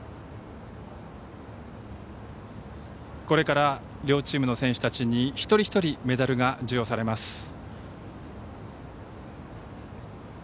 これから両チームの選手たちに一人一人メダルが授与されます。